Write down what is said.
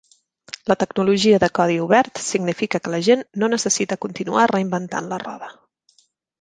La tecnologia de codi obert significa que la gent no necessita continuar reinventant la roda.